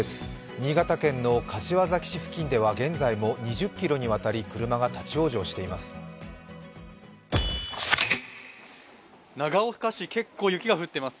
新潟県の柏崎市付近では現在も２０ｋｍにわたり、車が立往生しています。